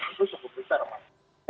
itu cukup besar mas